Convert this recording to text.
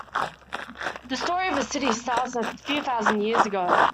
The story of the city starts a few thousand years ago.